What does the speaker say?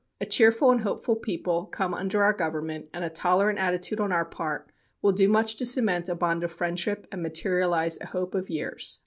A cheerful and hopeful people come under our government, and a tolerant attitude on our part will do much to cement a bond of friendship and materialize a hope of years."